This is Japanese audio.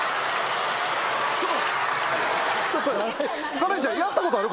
カレンちゃんやったことある？